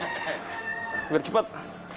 ya ampun b pred compass